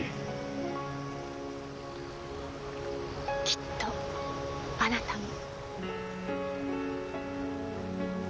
きっとあなたも。